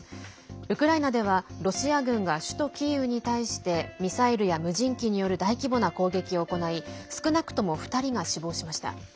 ウクライナではロシア軍が首都キーウに対してミサイルや無人機による大規模な攻撃を行い少なくとも２人が死亡しました。